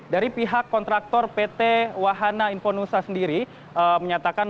dari pihak kontraktor pt wahana infonusa sendiri menyatakan